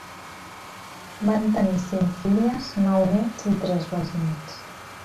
Van tenir cinc filles, nou néts i tres besnéts.